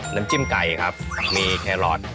น้ำจิ้มไก่ครับมีแครอท